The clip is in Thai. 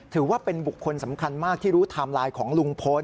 ถือว่าเป็นบุคคลสำคัญมากที่รู้ไทม์ไลน์ของลุงพล